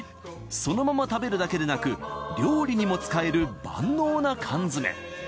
そのまま食べるだけでなく料理にも使える万能な缶詰。